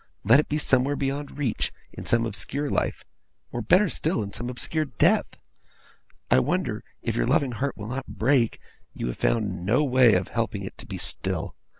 Let it be somewhere beyond reach; in some obscure life or, better still, in some obscure death. I wonder, if your loving heart will not break, you have found no way of helping it to be still!